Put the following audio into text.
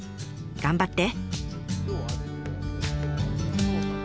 頑張って！